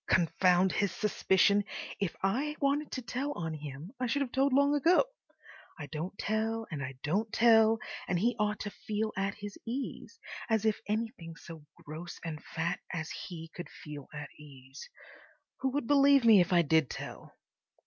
Confound his suspicion! If I wanted to tell on him I should have told long ago. I don't tell and I don't tell, and he ought to feel at his ease. As if anything so gross and fat as he could feel at ease! Who would believe me if I did tell?